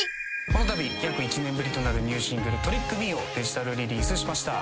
このたび約１年ぶりとなるニューシングル『Ｔｒｉｃｋｍｅ』をデジタルリリースしました。